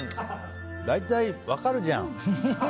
大体、分かるじゃん。